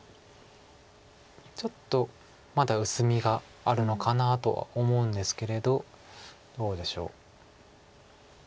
ちょっとまだ薄みがあるのかなとは思うんですけれどどうでしょう。